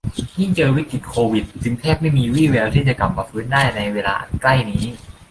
ยิ่งเจอวิกฤตโควิด จึงแทบไม่มีวี่แววที่จะกลับมาฟื้นได้ในเวลาอันใกล้นี้